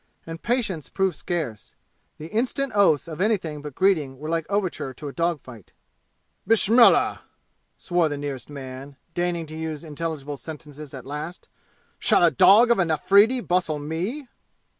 And patience proved scarce. The instant oaths of anything but greeting were like overture to a dog fight. "Bismillah!" swore the nearest man, deigning to use intelligible sentences at last. "Shall a dog of an Afridi bustle me?"